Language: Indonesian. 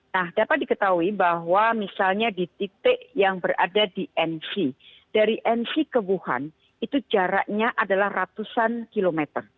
nah dapat diketahui bahwa misalnya di titik yang berada di nv dari nv ke wuhan itu jaraknya adalah ratusan kilometer